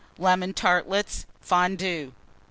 Lemon Tartlets. Fondue.